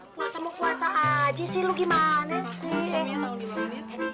puasa mau puasa aja sih lo gimana sih